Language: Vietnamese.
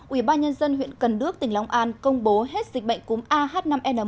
ubnd huyện cần đước tỉnh long an công bố hết dịch bệnh cúm ah năm n một